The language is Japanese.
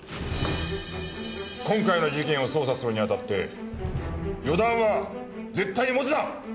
今回の事件を捜査するにあたって予断は絶対に持つな！